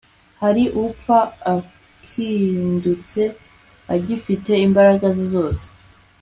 hari upfa akindutse agifite imbaraga ze zose